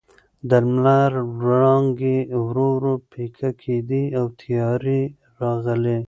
د لمر وړانګې ورو ورو پیکه کېدې او تیارې راغلې.